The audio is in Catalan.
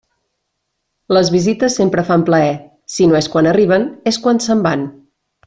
Les visites sempre fan plaer; si no és quan arriben, és quan se'n van.